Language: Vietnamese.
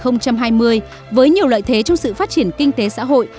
năm hai nghìn hai mươi với nhiều lợi thế trong sự phát triển kinh tế xã hội